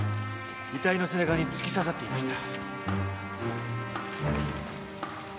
遺体の背中に突き刺さっていました。